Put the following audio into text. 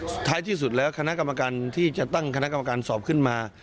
ท้ายที่สุดแล้วคณะกรรมการที่จะตั้งคณะกรรมการสอบขึ้นมา